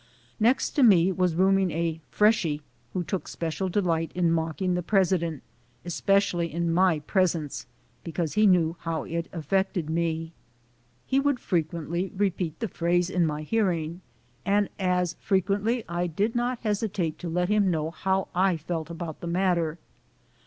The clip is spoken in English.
Next to me was rooming a "freshy" who took special delight in mocking the president, especially in my presence, because he knew how it affected me. He would frequently repeat the phrase in my hearing, and as frequently I did not hesitate to let him know how I felt about the matter.